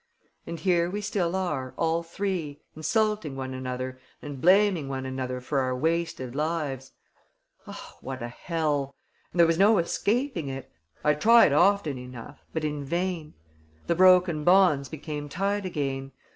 And here we still are, all three, insulting one another and blaming one another for our wasted lives. Oh, what a hell! And there was no escaping it. I tried often enough ... but in vain. The broken bonds became tied again.